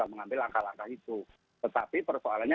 mengambil langkah langkah itu tetapi persoalannya